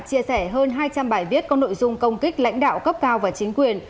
chia sẻ hơn hai trăm linh bài viết có nội dung công kích lãnh đạo cấp cao và chính quyền